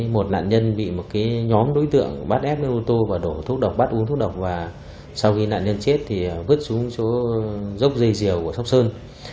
một nạn nhân bị một nhóm đối tượng bắt ép ô tô và đổ thuốc độc bắt uống thuốc độc và sau khi nạn nhân chết thì vứt xuống chỗ dốc dây diều của sóc sơn